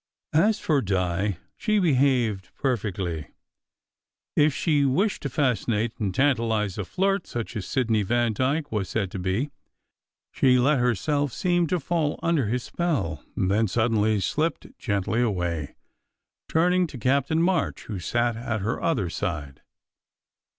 As for Di, she behaved perfectly, if she wished to fascinate and tantalize a flirt, such as Sidney Vandyke was said to be. She let herself seem to fall under his spell, and then suddenly slipped gently away, turning to Captain March who sat at her other side.